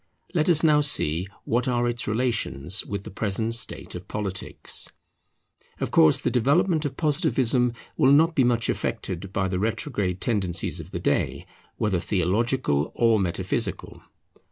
Let us now see what are its relations with the present state of politics. Of course the development of Positivism will not be much affected by the retrograde tendencies of the day, whether theological or metaphysical.